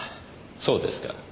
そうですか。